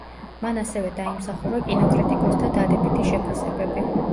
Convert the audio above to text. მან ასევე დაიმსახურა კინოკრიტიკოსთა დადებითი შეფასებები.